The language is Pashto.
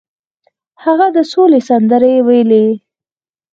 هغه د سولې سندرې ویلې.